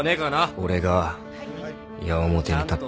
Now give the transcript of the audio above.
俺が矢面に立って。